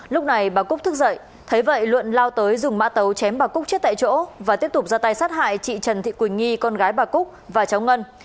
lúc này bà cúc dậy thấy vậy luận lao tới dùng mã tấu chém bà cúc chết tại chỗ và tiếp tục ra tay sát hại chị trần thị quỳnh nghi con gái bà cúc và cháu ngân